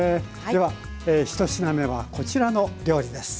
では１品目はこちらの料理です。